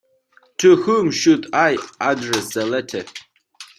To whom should I address the letter?